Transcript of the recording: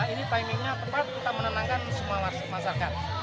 ini timingnya tepat kita menenangkan semua masyarakat